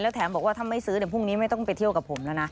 แถมบอกว่าถ้าไม่ซื้อเดี๋ยวพรุ่งนี้ไม่ต้องไปเที่ยวกับผมแล้วนะ